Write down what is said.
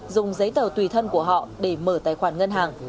dùng giấy tờ tùy thân của họ để mở tài khoản ngân hàng